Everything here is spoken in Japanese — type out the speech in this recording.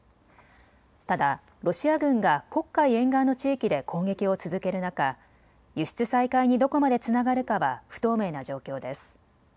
ただ、ロシア軍が黒海沿岸の地域で攻撃を続ける中、輸出再開にどこまでつながるかは不透明な状況です。